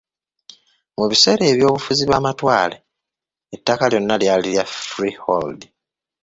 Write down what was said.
Mu biseera by'obufuzi bw'amatwale ettaka lyonna lyali lya freehold.